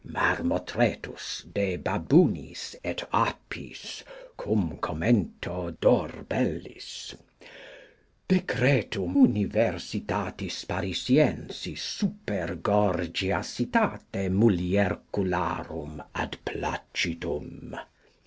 Marmotretus de baboonis et apis, cum Commento Dorbellis. Decretum Universitatis Parisiensis super gorgiasitate muliercularum ad placitum.